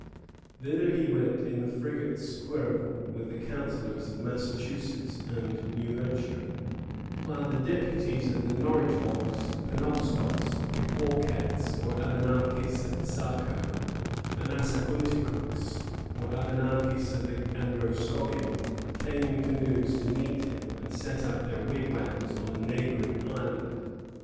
Thither he went in the frigate "Squirrel," with the councillors of Massachusetts and New Hampshire; while the deputies of the Norridgewocks, Penobscots, Pequawkets, or Abenakis of the Saco, and Assagunticooks, or Abenakis of the Androscoggin, came in canoes to meet him, and set up their wigwams on a neighboring island.